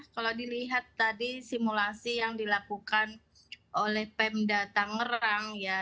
kalau dilihat tadi simulasi yang dilakukan oleh pemdata ngerang